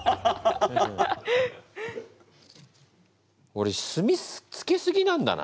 おれ墨つけすぎなんだな。